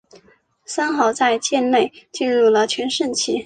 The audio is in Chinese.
三好在畿内进入了全盛期。